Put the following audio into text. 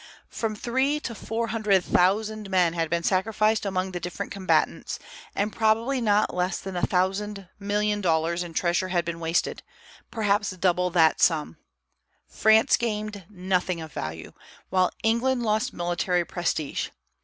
From three to four hundred thousand men had been sacrificed among the different combatants, and probably not less than a thousand million dollars in treasure had been wasted, perhaps double that sum. France gained nothing of value, while England lost military prestige.